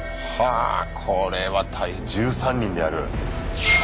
あこれは１３人でやる。